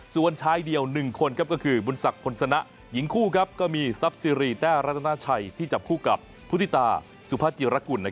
ส่วนชายเดียว๑คนก็คือบุญศักดิพลสนะหญิงคู่ก็มีซับซีรีแต้รัตนาชัยที่จับคู่กับพุทธิตาสุภาจิรกุล